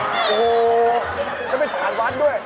โอ้โหยังไม่ถามวันด้วย